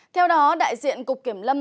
theo đó đại diện cục kiểm lâm viên